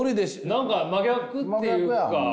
何か真逆っていうか。